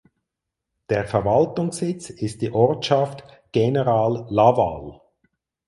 Der Verwaltungssitz ist die Ortschaft General Lavalle.